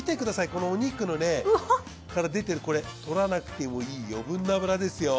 このお肉から出てるこれとらなくてもいい余分な脂ですよ。